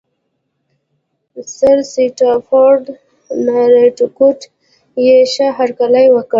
سرسټافرډ نارتکوټ یې ښه هرکلی وکړ.